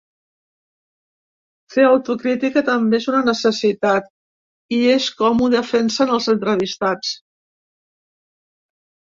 Fer autocrítica també és una necessitat, i és com ho defensen els entrevistats.